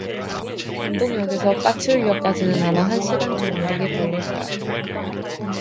당동역에서 까치울역까지는 아마 한 시간 좀 안 되게 걸릴 거야